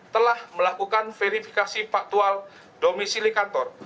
telah melakukan verifikasi faktual domisili kantor